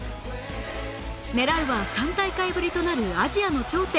狙うは３大会ぶりとなるアジアの頂点